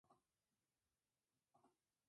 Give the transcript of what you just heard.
El Reino Unido tiene una embajada Montevideo.